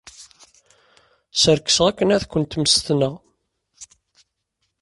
Skerkseɣ akken ad kent-mmestneɣ.